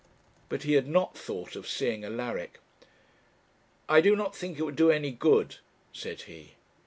But he had not thought of seeing Alaric. 'I do not think it would do any good,' said he.